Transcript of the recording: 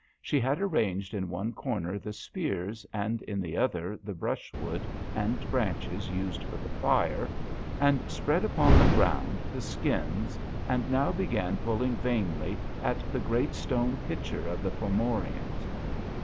She had arranged in one corner the spears, and in the other the brushwood and branches used for the fire, and spread upon the ground the skins, and now began pulling vainly at the great stone pitcher of the Fomorians.